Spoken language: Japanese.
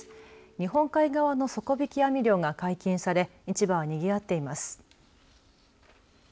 日本海側の底引き網漁が解禁され市場はにぎわっています。